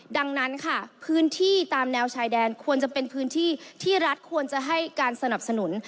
ดังนั้นค่ะพื้นที่ตามแนวชายแดนควรจะเป็นพื้นที่ที่รัฐควรจะให้การสนับสนุน